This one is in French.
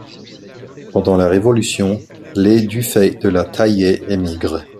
Pendant la Révolution, les du Fay de La Taillée émigrent.